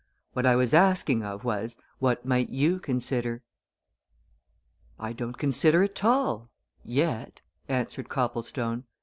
"What I was asking of was what might you consider?" "I don't consider at all yet," answered Copplestone.